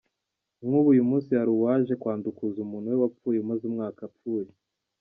Nk’ubu uyu munsi hari uwaje kwandukuza umuntu we wapfuye umaze umwaka apfuye.